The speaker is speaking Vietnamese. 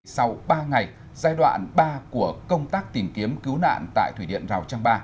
sau ba ngày giai đoạn ba của công tác tìm kiếm cứu nạn tại thủy điện rào trang ba